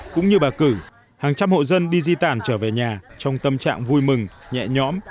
cũng như bà cử hàng trăm hộ dân đi di tản trở về nhà trong tâm trạng vui mừng nhẹ nhõm